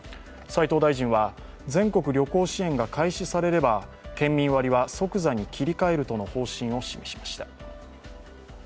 斉藤大臣は、全国旅行支援が開始されれば県民割は即座に切り替えるとの方針を示しました。